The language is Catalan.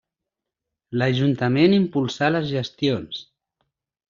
L'Ajuntament impulsà les gestions.